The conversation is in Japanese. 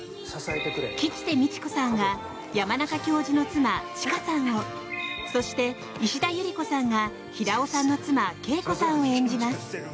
吉瀬美智子さんが山中教授の妻・知佳さんをそして、石田ゆり子さんが平尾さんの妻・惠子さんを演じます。